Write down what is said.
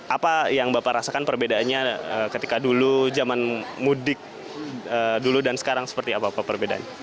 apa yang bapak rasakan perbedaannya ketika dulu zaman mudik dulu dan sekarang seperti apa pak perbedaannya